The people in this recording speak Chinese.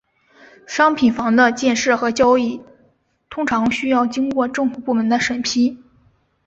商品房的建设和交易通常需要经过政府部门的审批。